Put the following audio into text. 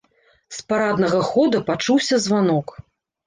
З параднага хода пачуўся званок.